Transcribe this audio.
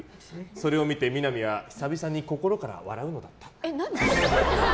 それを見て、みな実は久々に心から笑うのだった。